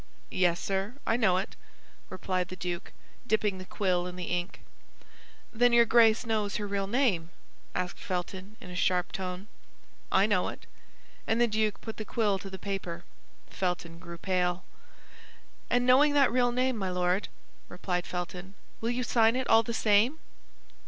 "Yes, sir, I know it," replied the duke, dipping the quill in the ink. "Then your Grace knows her real name?" asked Felton, in a sharp tone. "I know it"; and the duke put the quill to the paper. Felton grew pale. "And knowing that real name, my Lord," replied Felton, "will you sign it all the same?"